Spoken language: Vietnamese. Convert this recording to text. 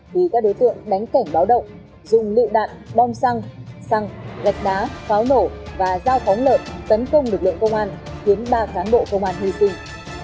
bị các đối tượng đánh cảnh báo động dùng lựu đạn bom xăng gạch đá pháo nổ và dao phóng lợn tấn công lực lượng công an khiến ba cán bộ công an hy sinh